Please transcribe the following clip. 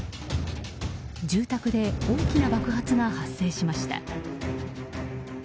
住宅で大きな爆発が発生しました。